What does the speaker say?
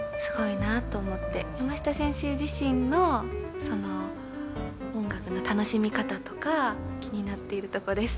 山下先生自身のその音楽の楽しみ方とか気になっているとこです。